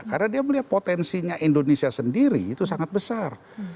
karena dia melihat potensinya indonesia sendiri itu sangat besar